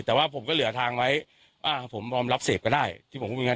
แต่ว่าผมก็เหลือทางไว้ผมรอบเสพก็ได้ที่ผมพูดอย่างนั้น